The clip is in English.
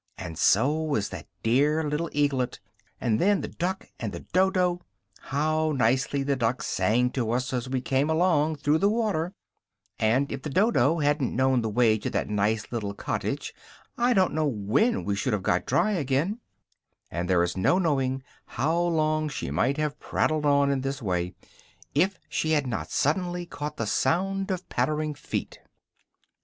and so was that dear little Eaglet! And then the Duck and the Dodo! How nicely the Duck sang to us as we came along through the water: and if the Dodo hadn't known the way to that nice little cottage, I don't know when we should have got dry again " and there is no knowing how long she might have prattled on in this way, if she had not suddenly caught the sound of pattering feet.